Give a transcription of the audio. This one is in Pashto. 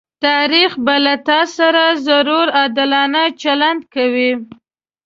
تاريخ به له تاسره ضرور عادلانه چلند کوي.